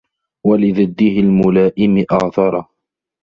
وَلِضِدِّهِ الْمُلَائِمِ آثَرَ